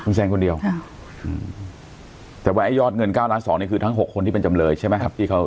คุณแซนคนเดียวแต่ว่าไอ้ยอดเงิน๙ล้านสองนี่คือทั้ง๖คนที่เป็นจำเลยใช่ไหมครับที่เขา